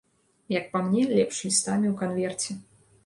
Як па мне, лепш лістамі ў канверце.